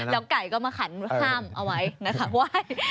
แล้วก็ไก่ก็มาขันห้ามเอาไว้ว่าย